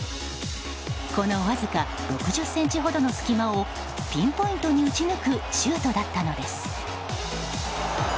このわずか６０ｃｍほどの隙間をピンポイントで打ち抜くシュートだったのです。